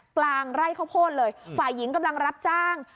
กลางไร่ข้าวโพดเลยฝ่ายหญิงกำลังรับจ้าง